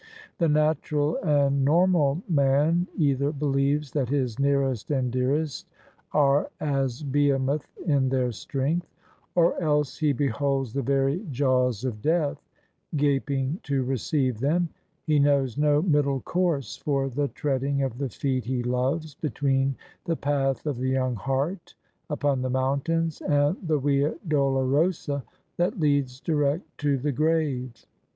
The natural and normal man either believes that his nearest and dearest are as Behemoth in their strength; or else he beholds the very jaws of Death gaping to receive them: he knows no middle course for the treading of the feet he loves, between the path of the young hart upon the mountains and the Via Dolorosa that leads direct to the grave.